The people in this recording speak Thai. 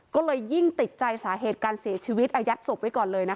ก็เลยยิ่งติดใจสาเหตุการเสียชีวิตอายัดศพไว้ก่อนเลยนะคะ